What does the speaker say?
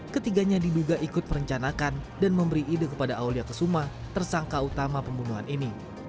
ketiganya diduga ikut merencanakan dan memberi ide kepada aulia kesuma tersangka utama pembunuhan ini